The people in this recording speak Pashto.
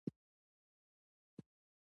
انګور د افغانستان د سیاسي جغرافیه برخه ده.